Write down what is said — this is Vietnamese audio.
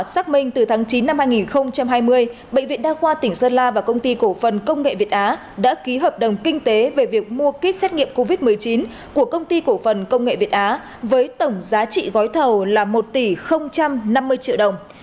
xác minh từ tháng chín năm hai nghìn hai mươi bệnh viện đa khoa tỉnh sơn la và công ty cổ phần công nghệ việt á đã ký hợp đồng kinh tế về việc mua kích xét nghiệm covid một mươi chín của công ty cổ phần công nghệ việt á với tổng giá trị gói thầu là một tỷ năm mươi triệu đồng